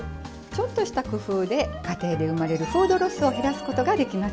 ちょっとした工夫で家庭で生まれるフードロスを減らすことができますよ。